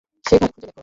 সেখানে খুঁজে দেখ।